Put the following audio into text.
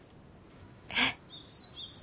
えっ。